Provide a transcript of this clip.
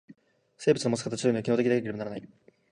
生物のもつ形というのは、機能的でなければならない。